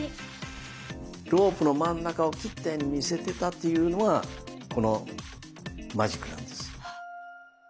⁉ロープの真ん中を切ったように見せてたっていうのがこのマジックなんです。